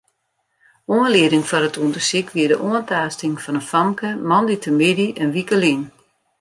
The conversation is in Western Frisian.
Oanlieding foar it ûndersyk wie de oantaasting fan in famke moandeitemiddei in wike lyn.